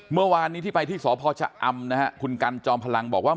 เมื่อวานที่ไปที่สพออคุณกัลจอมพลังบอกว่า